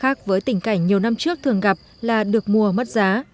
khác với tình cảnh nhiều năm trước thường gặp là được mua mất giá